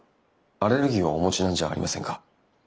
アレルギーをお持ちなんじゃありませんか？